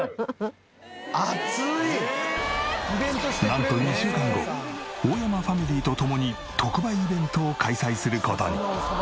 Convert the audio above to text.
なんと２週間後大山ファミリーと共に特売イベントを開催する事に。